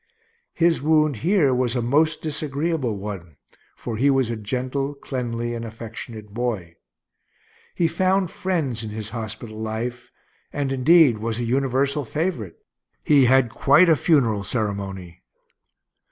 His wound here was a most disagreeable one, for he was a gentle, cleanly, and affectionate boy. He found friends in his hospital life, and, indeed, was a universal favorite. He had quite a funeral ceremony.